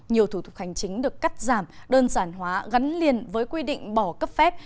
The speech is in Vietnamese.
nhiều thủ tục hành chính được cắt giảm đơn giản hóa gắn liền với quy định bỏ cấp phép